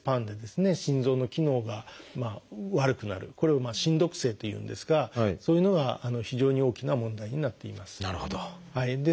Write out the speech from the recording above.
これを「心毒性」というんですがそういうのが非常に大きな問題になっています。